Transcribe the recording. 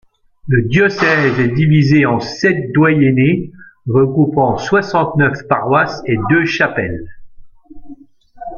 Le diocèse est divisé en sept doyennés regroupant soixante-neuf paroisses et deux chapelles.